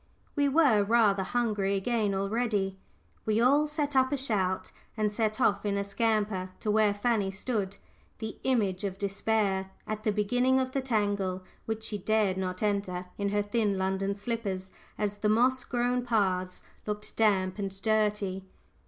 We were rather hungry again already. We all set up a shout, and set off in a scamper to where Fanny stood, the image of despair, at the beginning of the tangle, which she dared not enter in her thin London slippers, as the moss grown paths looked damp and dirty.